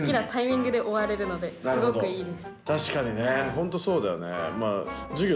本当そうだよね。